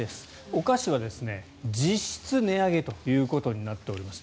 お菓子は実質値上げということになっています。